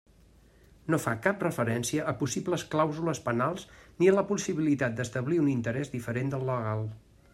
No fa cap referència a possibles clàusules penals ni a la possibilitat d'establir un interès diferent del legal.